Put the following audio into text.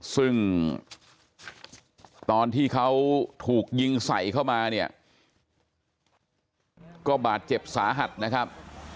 ซึ่งตอนที่เขาถูกยิงใส่เข้ามาเนี่ยก็บาดเจ็บสาหัสนะครับ